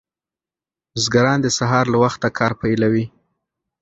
بزګران د سهار له وخته کار پیلوي.